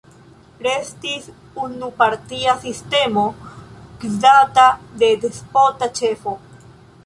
Restis unupartia sistemo gvidata de despota ĉefo.